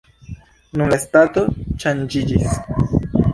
Nun la stato ŝanĝiĝis.